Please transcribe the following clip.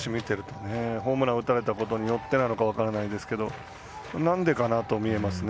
ホームラン打たれたことによってなのか分からないですけどなんでかなと思いますね。